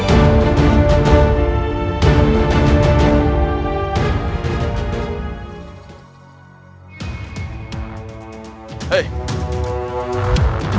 ibu dahat tolong aku